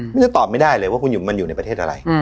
มันจะตอบไม่ได้เลยว่าคุณหุมมันอยู่ในประเทศอะไร